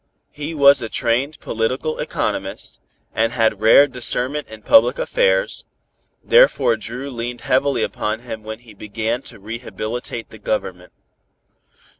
He was a trained political economist, and had rare discernment in public affairs, therefore Dru leaned heavily upon him when he began to rehabilitate the Government.